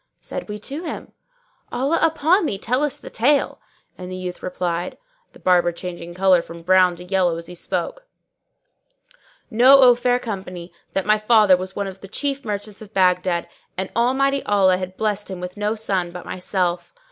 Said we to him, "Allah upon thee, tell us the tale;" and the youth replied (the Barber changing colour from brown to yellow as he spoke): Know, O fair company, that my father was one of the chief merchants of Baghdad, and Almighty Allah had blessed him with no son but myself.